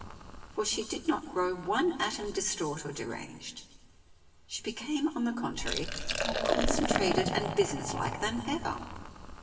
For she did not grow one atom distraught or deranged ; she became on the contrary more con centrated and businesslike than ever.